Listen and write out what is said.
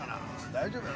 大丈夫や」。